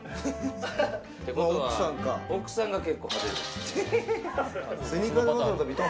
奥さんが結構派手。